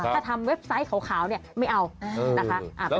ถ้าทำเว็บไซต์ขาวเนี่ยไม่เอานะคะ